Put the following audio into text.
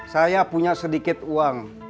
saya punya sedikit uang